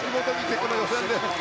この予選で。